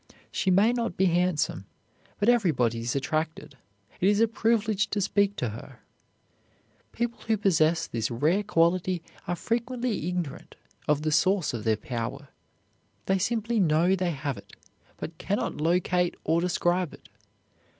She may not be handsome, but everybody is attracted; it is a privilege to speak to her. People who possess this rare quality are frequently ignorant of the source of their power. They simply know they have it, but can not locate or describe it.